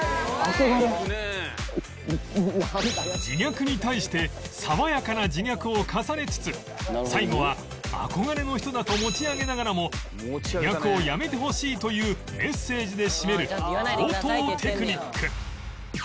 自虐に対して爽やかな自虐を重ねつつ最後は憧れの人だと持ち上げながらも自虐をやめてほしいというメッセージで締める高等テクニック